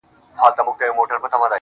نه لري هيـڅ نــنــــگ.